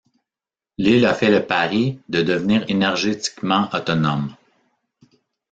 L'île a fait le pari de devenir énergétiquement autonome.